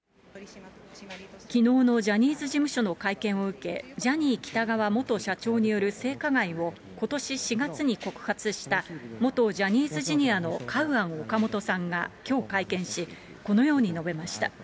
きのうのジャニーズ事務所の会見を受け、ジャニー喜多川元社長による性加害をことし４月に告発した、元ジャニーズＪｒ．のカウアン・オカモトさんがきょう会見し、このように述べました。